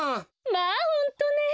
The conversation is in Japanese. まあホントね。